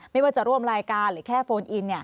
ไม่ว่าจะร่วมรายการหรือแค่โฟนอิน